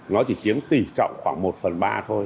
nó chỉ chiếm tỷ trọng khoảng một phần ba thôi